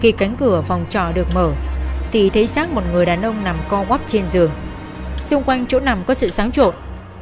khi cánh cửa phòng trọ được mở thì thấy xác một người đàn ông nằm co vóc trên giường xung quanh chỗ nằm có sự sáng trộn